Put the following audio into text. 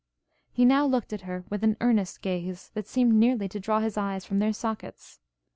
He now looked at her with an earnest gaze, that seemed nearly to draw his eyes from their sockets.